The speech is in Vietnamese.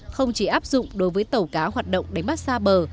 không chỉ áp dụng đối với tàu cá hoạt động đánh bắt xa bờ